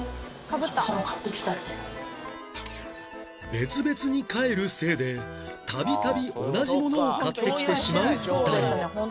別々に帰るせいでたびたび同じものを買ってきてしまう２人